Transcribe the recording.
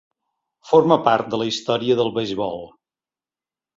Forma part de la història del beisbol.